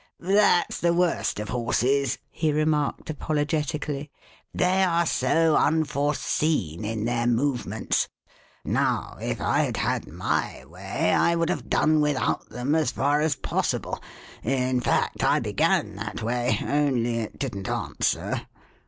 "That's the worst of horses," he remarked apolo getically ; they are so Unforeseen in their movements. Now, if I had had my way I would have done without them as far as possible — in fact, I began that way, only it didn't answer.